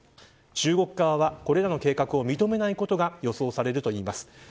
中国側はこれらの計画を認めないことが予想されるといいます。